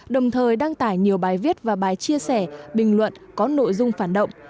đồng thời đăng tải nhiều bài viết và bài chia sẻ bình luận có nội dung phản động